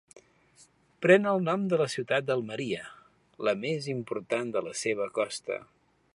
Pren el nom de la ciutat d'Almeria, la més important de la seva costa.